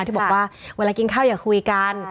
ที่บอกว่าเวลากินข้าวอย่าคุยกัน